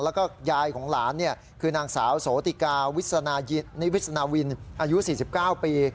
แล้วก็ยายของหลานคือนางสาวโสติกานิวิสนาวินอายุ๔๙ปี